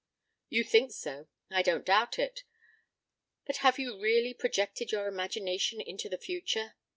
"You think so. I don't doubt it. But have you really projected your imagination into the future?